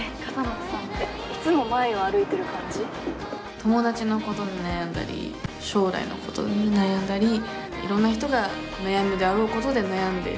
友達のことで悩んだり将来のことで悩んだりいろんな人が悩むであろうことで悩んでいる。